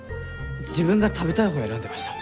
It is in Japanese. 自分が食べたいほう選んでました。